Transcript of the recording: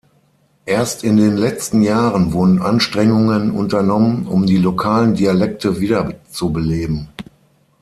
Erst in den letzten Jahren wurden Anstrengungen unternommen, um die lokalen Dialekte wiederzubeleben.